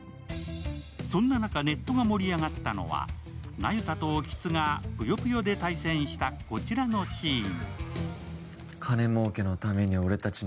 そんな中、ネットが盛り上がったのは、那由他と興津が「ぷよぷよ」で対戦したこちらのシーン。